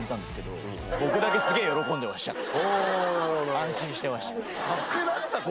安心してました。